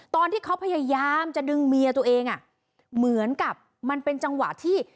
ตอนที่เขาพยายามจะดึงเมียตัวเองอ่ะเหมือนกับมันเป็นจังหวะที่